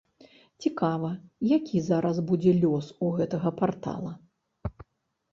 Цікава, які зараз будзе лёс у гэтага партала.